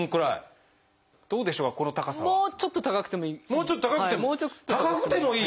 もうちょっと高くても高くてもいい？